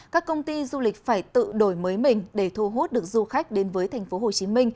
các công ty du lịch phải tự đổi mới mình để thu hút được du khách đến với tp hcm